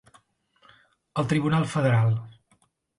El tribunal federal.